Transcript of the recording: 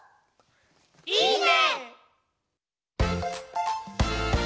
いいね！